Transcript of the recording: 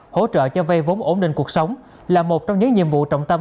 hỗ trợ cho vay vốn ổn định cuộc sống là một trong những nhiệm vụ trọng tâm